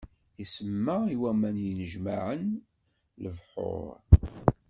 Isemma i waman yennejmaɛen: lebḥuṛ.